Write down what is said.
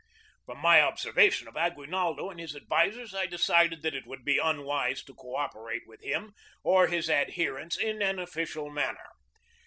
From my observation of Aguinaldo and his advis ers I decided that it would be unwise to co operate with him or his adherents in an official manner.